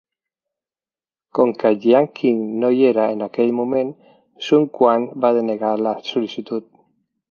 Com que Jiang Qin no hi era en aquell moment, Sun Quan va denegar la sol·licitud.